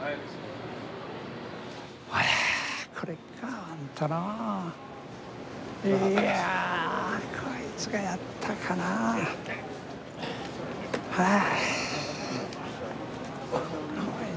いやこいつがやったかなあー。